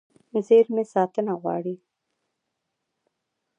زېرمې ساتنه غواړي.